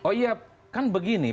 oh iya kan begini